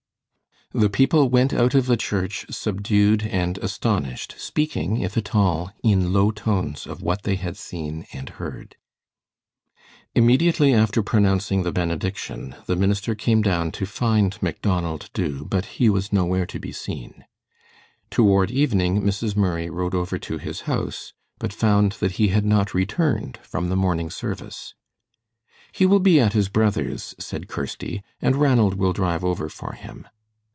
The people went out of the church, subdued and astonished, speaking, if at all, in low tones of what they had seen and heard. Immediately after pronouncing the benediction, the minister came down to find Macdonald Dubh, but he was nowhere to be seen. Toward evening Mrs. Murray rode over to his house, but found that he had not returned from the morning service. "He will be at his brother's," said Kirsty, "and Ranald will drive over for him."